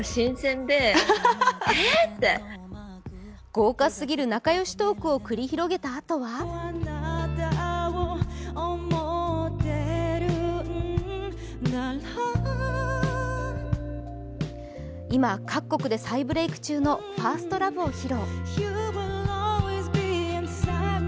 豪華すぎる仲良しトークを繰り広げたあとは今、各国で再ブレーク中の「ＦｉｒｓｔＬｏｖｅ」を披露。